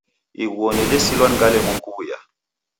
Ighuo nedesilwa ngalemwa kuw'uya.